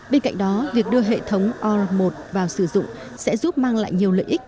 bên cạnh đó việc đưa hệ thống r một vào sử dụng sẽ giúp mang lại nhiều lợi ích